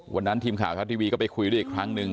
วันนั้นทีมข่าวทัศน์ทีวีก็ไปคุยด้วยอีกครั้งหนึ่ง